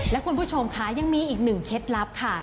และคุณผู้ชมค่ะยังมีอีกหนึ่งเคล็ดลับค่ะ